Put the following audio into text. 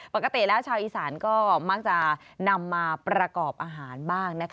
ปกติชาวอีสานค่ะมักจะนำมาประกอบอาหารบ้าง